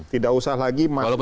tidak usah lagi masuk